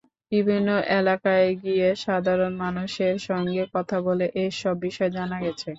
বিভিন্ন এলাকায় গিয়ে সাধারণ মানুষের সঙ্গে কথা বলে এসব বিষয় জানা গেছে।